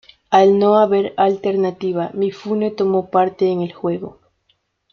Al no haber alternativa, Mifune tomó parte en el juego.